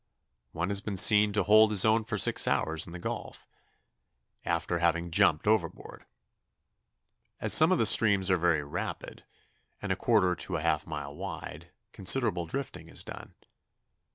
One has been seen to hold his own for six hours in the gulf, after having jumped overboard. As some of the streams are very rapid, and a quarter to a half mile wide, considerable drifting is done.